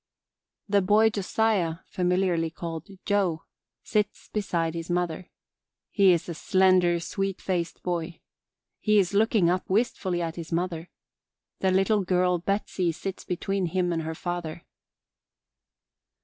The boy Josiah familiarly called Joe sits beside his mother. He is a slender, sweet faced boy. He is looking up wistfully at his mother. The little girl Betsey sits between him and her father.